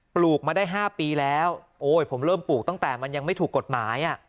ลูกมาได้๕ปีแล้วโอ้ยผมเริ่มปลูกตั้งแต่มันยังไม่ถูกกฎหมาย